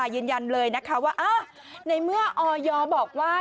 ยืนยันเลยนะคะว่าในเมื่อออยบอกว่า